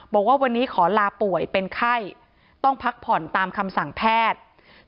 บอกว่าวันนี้ขอลาป่วยเป็นไข้ต้องพักผ่อนตามคำสั่งแพทย์